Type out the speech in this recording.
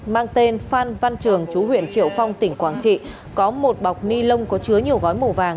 mang tên phan văn trường chú huyện triệu phong tỉnh quảng trị có một bọc ni lông có chứa nhiều gói màu vàng